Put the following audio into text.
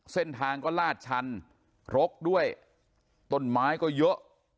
เส้นทางก็ลาดชันรกด้วยต้นไม้ก็เยอะ